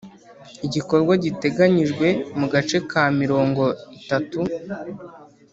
igikorwa giteganyijwe mu gace ka mirongo itatu